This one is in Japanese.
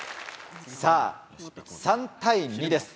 さぁ３対２です